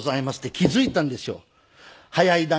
で気付いたんですよ早い段階で。